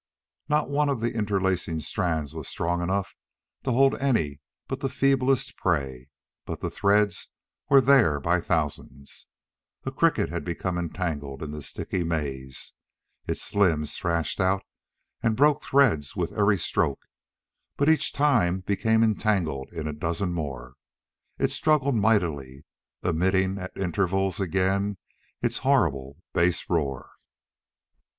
Not one of the interlacing strands was strong enough to hold any but the feeblest prey, but the threads were there by thousands. A cricket had become entangled in the sticky maze. Its limbs thrashed out and broke threads with every stroke, but each time became entangled in a dozen more. It struggled mightily, emitting at intervals again its horrible bass roar.